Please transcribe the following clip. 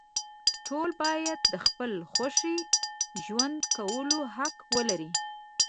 ټول باید د خپلې خوښې ژوند کولو حق ولري.